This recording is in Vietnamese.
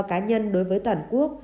cá nhân đối với toàn quốc